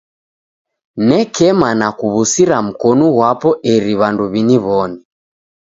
Nekema na kuw'usiria mkonu ghwapo eri w'andu w'iniw'one.